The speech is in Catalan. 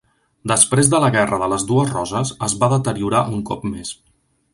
Després de la Guerra de les Dues Roses, es va deteriorar un cop més.